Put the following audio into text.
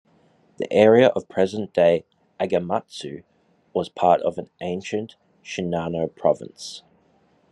The area of present-day Agematsu was part of ancient Shinano Province.